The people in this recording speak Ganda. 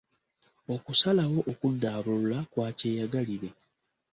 Okusalawo okuddaabulula kwa kyeyagalire.